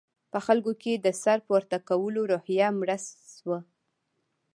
په خلکو کې د سر پورته کولو روحیه مړه شوه.